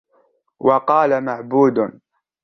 وَقَالَ مَهْبُودٌ